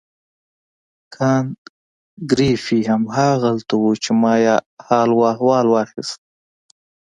کانت ګریفي هم همالته وو چې ما یې حال و احوال واخیست.